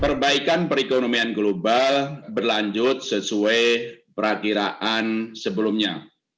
perbaikan perekonomian global berlanjut sesuai perakiraan sebelumnya